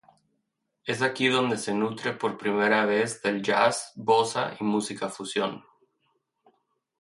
Es aquí donde se nutre por primera vez del jazz, bossa y música fusión.